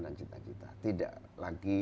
dan cita cita tidak lagi